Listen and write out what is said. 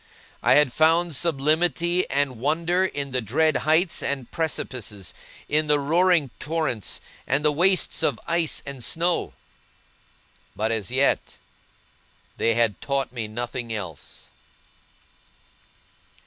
I had found sublimity and wonder in the dread heights and precipices, in the roaring torrents, and the wastes of ice and snow; but as yet, they had taught me nothing else.